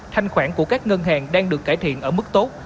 thanh khoản của các ngân hàng đang được cải thiện ở mức tốt